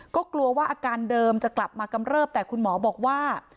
ก็กลัวว่าอาการเดิมจะกลับมากำเริบแต่คุณหมอบอกว่า